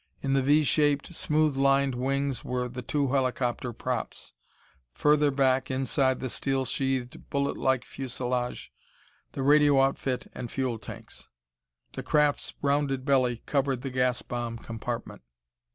In the V shaped, smooth lined wings were the two helicopter props; further back, inside the steel sheathed, bullet like fuselage, the radio outfit and fuel tanks. The craft's rounded belly covered the gas bomb compartment.